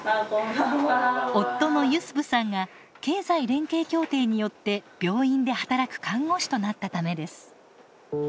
夫のユスプさんが経済連携協定によって病院で働く看護師となったためです。